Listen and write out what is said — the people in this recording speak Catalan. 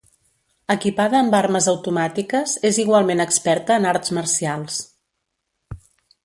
Equipada amb armes automàtiques, és igualment experta en arts marcials.